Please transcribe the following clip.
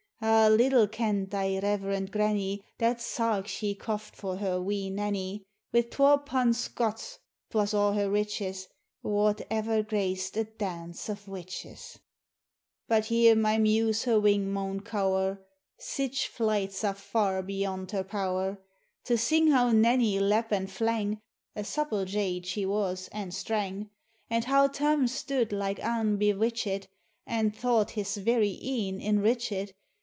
— Ah ! little kenned thy reverend grannie That sark she coft for her wee Nannie Wi' twa pund Scots ft was a' her riches) Wad ever graced a dance o' witches ! 7G POEMS OF FANCY. But here my Muse her wing maun cower, Sic flights are far beyond her power ; To sing how Nannie lap and flang (A souple jade she was and Strang), And how Tarn stood like ane bewitched, And thought his very een enriched.